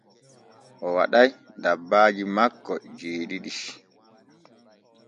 O waɗay dabbaaji makko jeeɗiɗi.